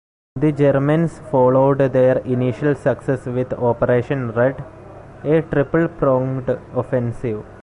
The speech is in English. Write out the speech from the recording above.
The Germans followed their initial success with Operation Red, a triple-pronged offensive.